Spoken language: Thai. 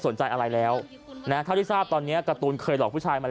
อะไรแล้วนะเท่าที่ทราบตอนนี้การ์ตูนเคยหลอกผู้ชายมาแล้ว